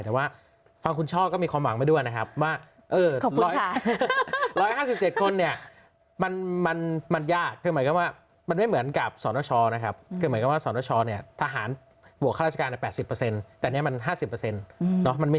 แต่ว่าฟังคุณช่องก็มีความหวังไว้ด้วยนะครับ